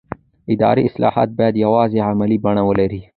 اداري اصلاحات باید یوازې عملي بڼه ولري